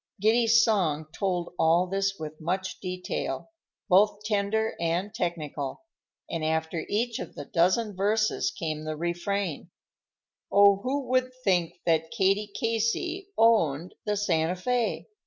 Giddy's song told all this with much detail, both tender and technical, and after each of the dozen verses came the refrain:— "Oh, who would think that Katie Casey owned the Santa Fé?